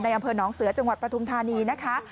อำเภอหนองเสือจังหวัดปฐุมธานีนะคะ